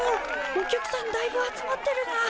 お客さんだいぶ集まってるなあ。